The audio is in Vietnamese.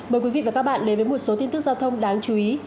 mời quý vị và các bạn đến với một số tin tức giao thông đáng chú ý